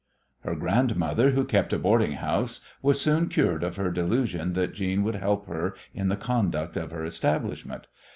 Her grandmother, who kept a boarding house, was soon cured of her delusion that Jeanne would help her in the conduct of her establishment.